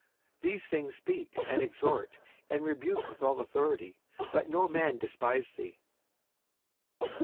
56:002:015 These things speak, and exhort, and rebuke with all authority. Let no man despise thee.